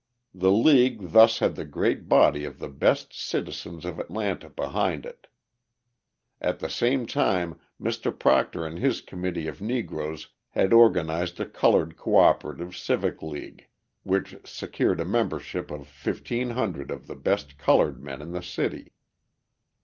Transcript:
The league thus had the great body of the best citizens of Atlanta behind it. At the same time Mr. Proctor and his committee of Negroes had organised a Coloured Co operative Civic League, which secured a membership of 1,500 of the best coloured men in the city.